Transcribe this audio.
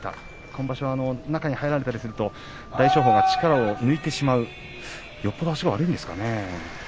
今場所、中に入られたりすると大翔鵬が力を抜いてしまうよっぽど足が悪いんですかね。